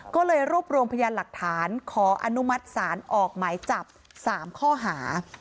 ก็เลยรวบรวมพยานหลักฐานขออนุมัติศาลออกหมายจับ๓ข้อหา